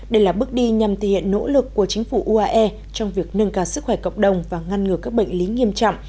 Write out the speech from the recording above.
đây là bước đi nhằm thể hiện nỗ lực của chính phủ uae trong việc nâng cao sức khỏe cộng đồng và ngăn ngừa các bệnh lý nghiêm trọng